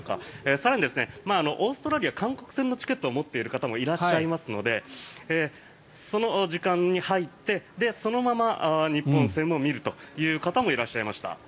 更に、オーストラリアや韓国戦のチケットを持っている方もいらっしゃいますのでその時間に入ってそのまま日本戦を見るという方もいらっしゃいました。